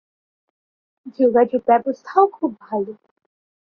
যোগাযোগ ব্যবস্থাও খুব ভালো।